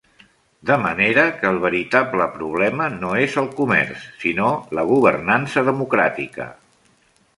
De manera que el veritable problema no és el "comerç", sinó la governança democràtica.